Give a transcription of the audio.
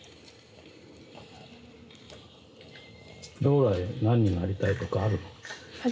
将来何になりたいとかあるの？